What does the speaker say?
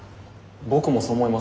僕もそう思います。